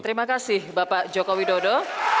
terima kasih bapak joko widodo